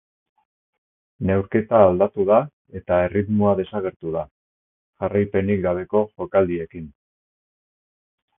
Neurketa aldatu da eta erritmoa desagertu da, jarraipenik gabeko jokaldiekin.